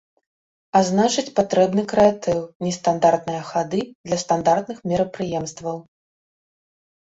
А значыць, патрэбны крэатыў, нестандартныя хады для стандартных мерапрыемстваў.